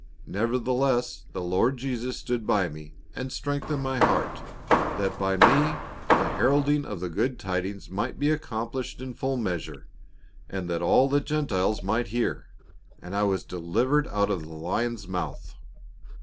Nevertheless the Lord Jesus stood by me and strengthened my heart, that by me the herald ing of the glad tidings might be accomplished in full measure, and that all the Gentiles might hear ; and I was delivered out of the lion's mouth."